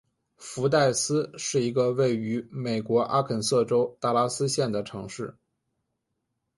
福代斯是一个位于美国阿肯色州达拉斯县的城市。